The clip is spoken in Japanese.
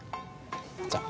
じゃあ。